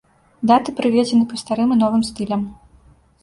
Даты прыведзены па старым і новым стылям.